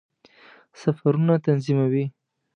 سفرونه تنظیموي.